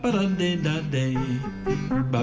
ไปดูมะพร้าวหน่อยครับ